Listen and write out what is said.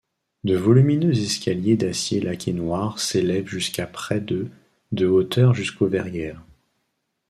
De volumineux escaliers d'acier laqué noir s'élèvent jusqu'à près de de hauteur jusqu'aux verrières.